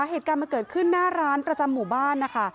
เหตุการณ์มันเกิดขึ้นหน้าร้านประจำหมู่บ้านนะคะ